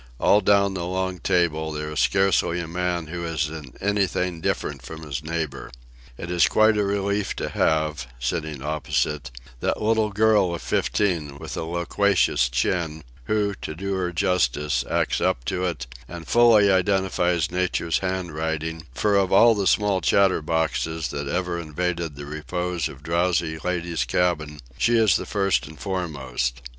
All down the long table, there is scarcely a man who is in anything different from his neighbour. It is quite a relief to have, sitting opposite, that little girl of fifteen with the loquacious chin: who, to do her justice, acts up to it, and fully identifies nature's handwriting, for of all the small chatterboxes that ever invaded the repose of drowsy ladies' cabin, she is the first and foremost.